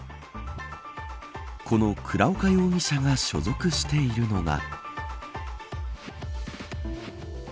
この倉岡容疑者が所属しているのが。